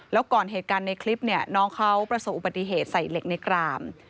แล้วก่อนเหตุการณ์ในคลิปเนี่ยน้องเขาประสบอุบัติเหตุใส่เหล็กในกราม